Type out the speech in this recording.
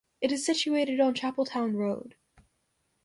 It is situated on Chapeltown Road.